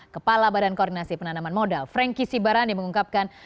kepala badan koordinasi penanaman modal frankie sibarani mengungkapkan